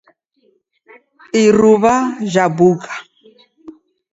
Iruw'a jabuka.